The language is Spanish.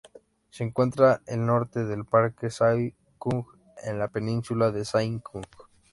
Se encuentra al norte del parque Sai Kung en la península de Sai Kung.